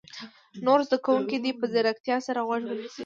نور زده کوونکي دې په ځیرتیا سره غوږ ونیسي.